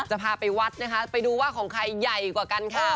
จะพาไปวัดนะคะไปดูว่าของใครใหญ่กว่ากันค่ะ